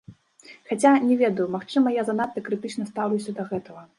Хаця, не ведаю, магчыма, я занадта крытычна стаўлюся да гэтага.